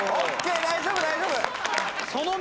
大丈夫大丈夫！